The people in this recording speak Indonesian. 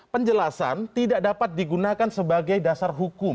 penjelasan tidak dapat digunakan sebagai dasar hukum